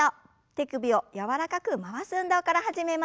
手首を柔らかく回す運動から始めます。